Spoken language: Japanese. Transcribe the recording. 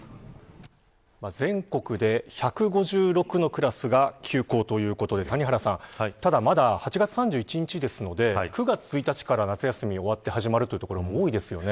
全国で１５６のクラスが休校ということで、谷原さんまだ８月３１日なので９月１日から夏休みが終わって始まるという多いですよね。